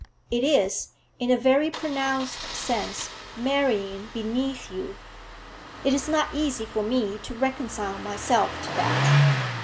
It is, in a very pronounced sense, marrying beneath you. It is not easy for me to reconcile myself to that.'